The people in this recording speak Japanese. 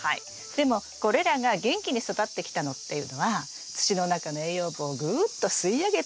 でもこれらが元気に育ってきたのっていうのは土の中の栄養分をグーッと吸い上げてきたからなんです。